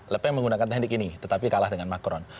lepeng menggunakan teknik ini tetapi kalah dengan macron